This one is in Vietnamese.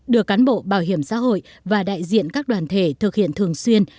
được cán bộ bảo hiểm xã hội và đại diện các đoàn thể thực hiện thường xuyên